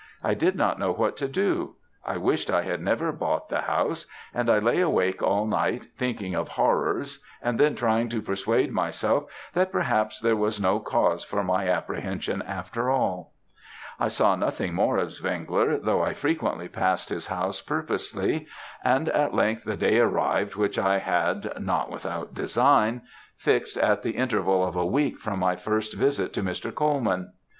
I did not know what to do. I wished I had never bought the house, and I lay awake all night, thinking of horrors, and then trying to persuade myself that perhaps there was no cause for my apprehensions after all.' "'I saw nothing more of Zwengler, though I frequently passed his house purposely; and, at length, the day arrived which I had not without design fixed at the interval of a week from my first visit to Mr. Colman.